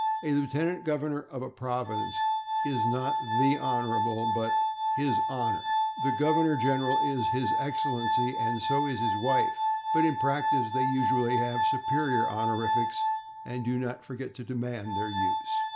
A lieutenant governor of a province is not /the Hon./, but /His Honor/. The governor general is /His Excellency/, and so is his wife, but in practise they usually have superior honorifics, and do not forget to demand their use.